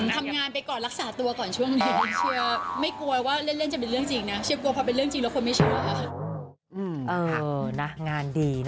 ทำงานไปก่อนรักษาตัวก่อนช่วงเดียน